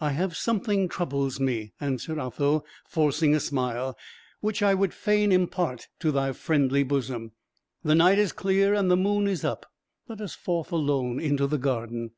"I have something troubles me," answered Otho, forcing a smile, "which I would fain impart to thy friendly bosom. The night is clear and the moon is up, let us forth alone into the garden."